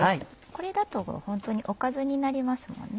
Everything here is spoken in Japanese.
これだとホントにおかずになりますもんね。